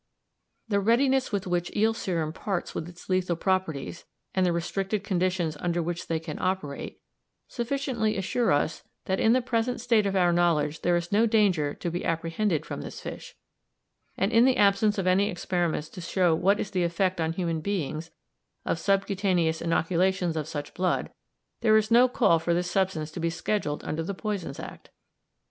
The readiness with which eel serum parts with its lethal properties, and the restricted conditions under which they can operate, sufficiently assure us that in the present state of our knowledge there is no danger to be apprehended from this fish, and in the absence of any experiments to show what is the effect on human beings of subcutaneous inoculations of such blood, there is no call for this substance to be scheduled under the Poisons Act.